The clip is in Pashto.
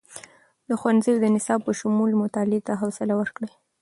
د ښوونځیو د نصاب په شمول، مطالعې ته خوصله ورکړئ.